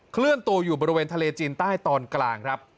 เคลื่อนตัวอยู่บริเวณทะเลจีนใต้ตอนกลางครับ